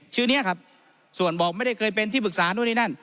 ชื่อนี้ครับส่วนบอกไม่ได้เคยเป็นที่ปรึกษานู่นนี่นั่น